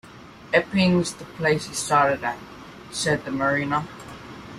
"Epping's the place he started at," said the mariner.